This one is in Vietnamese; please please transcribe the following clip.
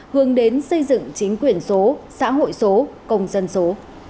hướng đến xây dựng chính quyền số xã hội số công dân số